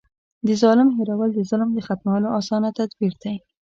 د ظالم هېرول د ظلم د ختمولو اسانه تدبير دی.